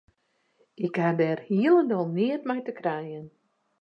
Ik ha dêr hielendal neat mei te krijen.